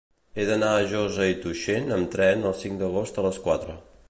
He d'anar a Josa i Tuixén amb tren el cinc d'agost a les quatre.